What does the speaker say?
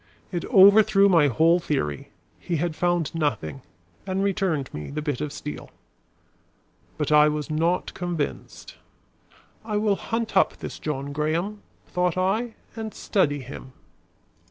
It overthrew my whole theory. He had found nothing, and returned me the bit of steel. But I was not convinced. "I will hunt up this John Graham," thought I, "and study him."